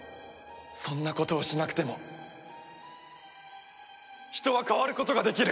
そんなことをしなくても人は変わることができる！